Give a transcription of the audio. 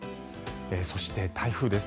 そして、台風です。